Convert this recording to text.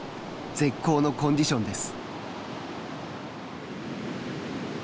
絶好のコンディションです。